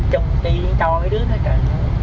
chồng tiên cho cái đứa nó chạy